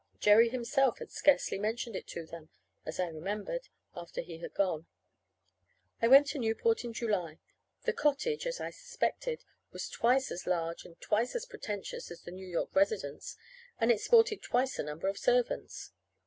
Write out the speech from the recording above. Jerry himself had scarcely mentioned it to them, as I remembered, after he had gone. I went to Newport in July. "The cottage," as I suspected, was twice as large and twice as pretentious as the New York residence; and it sported twice the number of servants.